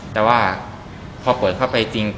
แต่ว่าพอเปิดเข้าไปจริง